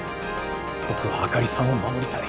僕は朱莉さんを守りたい。